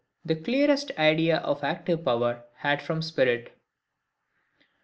The clearest Idea of active Power had from Spirit.